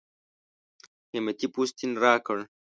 قېمتي پوستین راکړ.